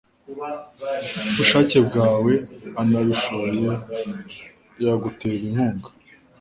ubushake bwawe anabishoye yagutera inkunga.